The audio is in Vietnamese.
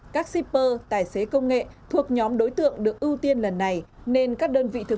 các shipper tài xế công nghệ thuộc nhóm đối tượng được ưu tiên lần này nên các đơn vị thực